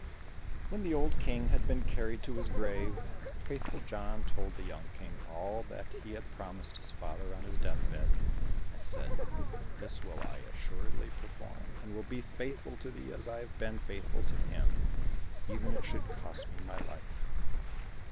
When the old King had been carried to his grave, Faithful John told the young King all that he had promised his father on his deathbed, and said, "This will I assuredly perform, and will be faithful to thee as I have been faithful to him, even if it should cost me my life."